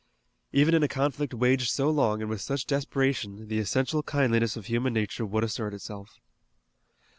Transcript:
Even in a conflict waged so long and with such desperation the essential kindliness of human nature would assert itself.